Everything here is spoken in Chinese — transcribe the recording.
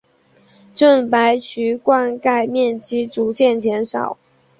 郑白渠灌溉面积逐渐减少。